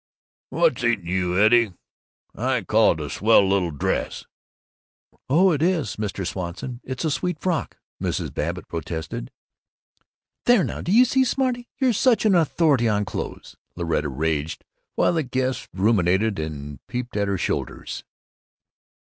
"What's eating you, Eddie? I call it a swell little dress." "Oh, it is, Mr. Swanson. It's a sweet frock," Mrs. Babbitt protested. "There now, do you see, smarty! You're such an authority on clothes!" Louetta raged, while the guests ruminated and peeped at her shoulders.